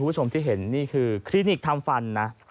พูดสมมติที่เห็นนี่คือคลินิคทำฟัน